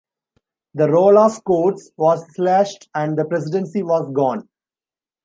The role of courts was slashed, and the Presidency was gone.